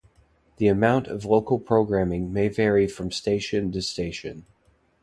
The amount of local programming may vary from station to station.